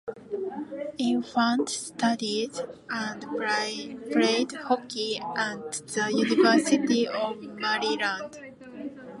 Infante studied and played hockey at the University of Maryland.